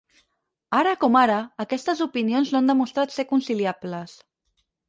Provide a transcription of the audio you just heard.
Ara com ara, aquestes opinions no han demostrat ser conciliables.